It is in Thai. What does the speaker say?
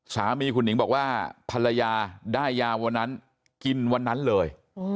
สามีคุณหนิงบอกว่าภรรยาได้ยาวันนั้นกินวันนั้นเลย